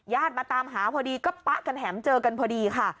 มาตามหาพอดีก็ป๊ะกันแถมเจอกันพอดีค่ะ